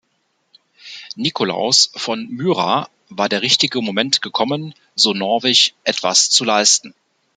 Nikolaus von Myra war der richtige Moment gekommen, so Norwich, etwas zu leisten.